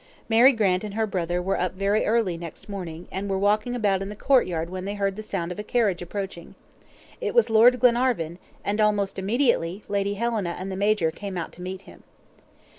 Mary Grant and her brother were up very early next morning, and were walking about in the courtyard when they heard the sound of a carriage approaching. It was Lord Glenarvan; and, almost immediately, Lady Helena and the Major came out to meet him.